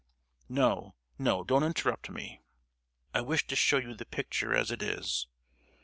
"No, no—don't interrupt me! I wish to show you the picture as it is.